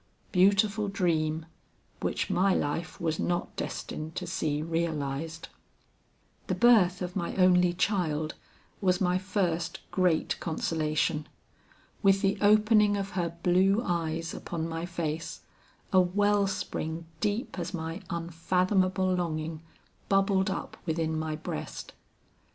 Beautiful dream, which my life was not destined to see realized! "The birth of my only child was my first great consolation. With the opening of her blue eyes upon my face, a well spring deep as my unfathomable longing, bubbled up within my breast.